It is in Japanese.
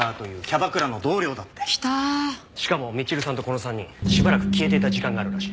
しかもみちるさんとこの３人しばらく消えていた時間があるらしい。